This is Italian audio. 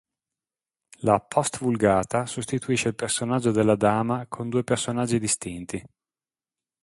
La Post-Vulgata sostituisce il personaggio della Dama con due personaggi distinti.